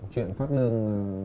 chuyện phát lương